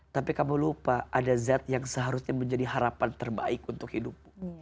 tapi kamu lupa ada zat yang seharusnya menjadi harapan terbaik untuk hidupmu